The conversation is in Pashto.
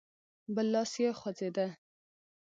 بل لاس يې خوځېده.